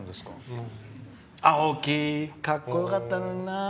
青木、かっこよかったのにな。